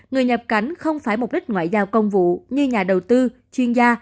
người nhập cảnh không phải mục đích ngoại giao công vụ như nhà đầu tư chuyên gia